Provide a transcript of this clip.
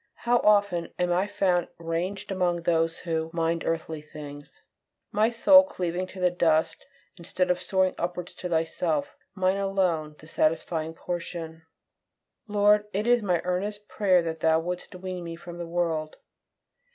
How often am I found ranged among those who "mind earthly things;" my soul cleaving to the dust, instead of soaring upwards to Thyself, my alone satisfying portion! Lord, it is my earnest prayer that Thou wouldst wean me from the world.